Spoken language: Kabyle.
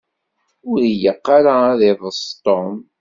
Ur ilaq ara ad d-iḍes Tom.